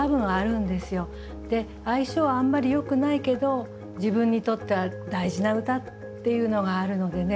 あんまりよくないけど自分にとっては大事な歌っていうのがあるのでね